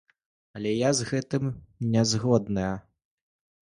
Але я з гэтым не згодная.